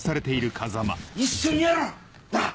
一緒にやろうなっ？